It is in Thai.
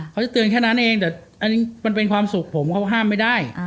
เขาจะเตือนแค่นั้นเองมันเป็นความสุขผมมันห้ามไม่ได้